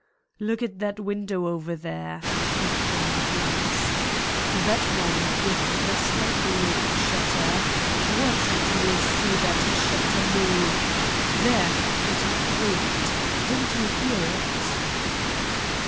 "Look at that window over there!" he cried at last. "That one with the slightly open shutter! Watch and you will see that shutter move. There! it creaked; didn't you hear it?"